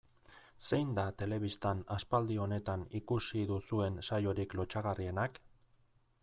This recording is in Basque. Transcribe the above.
Zein da telebistan aspaldi honetan ikusi duzuen saiorik lotsagarrienak?